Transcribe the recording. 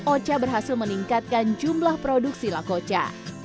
ocha berhasil meningkatkan jumlah produksi lakocha